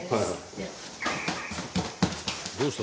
「どうした？